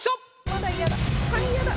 まだ嫌だ。